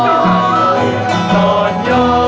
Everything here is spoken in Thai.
อนนี้